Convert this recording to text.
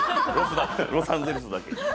ロサンゼルスだけに。